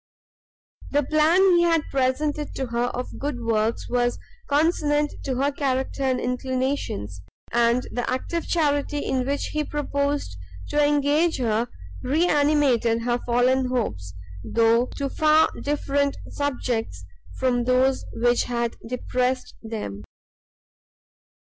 The plan he had presented to her of good works was consonant to her character and inclinations; and the active charity in which he proposed to engage her, re animated her fallen hopes, though to far different subjects from those which had depressed them.